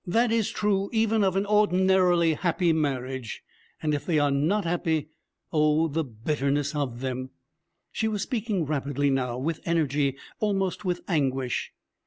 That is true even of an ordinarily happy marriage. And if they are not happy Oh, the bitterness of them!' She was speaking rapidly now, with energy, almost with anguish.